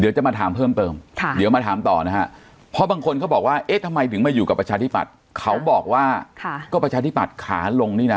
จะมาถามเพิ่มเติมเดี๋ยวมาถามต่อนะฮะเพราะบางคนเขาบอกว่าเอ๊ะทำไมถึงมาอยู่กับประชาธิปัตย์เขาบอกว่าก็ประชาธิบัติขาลงนี่นะ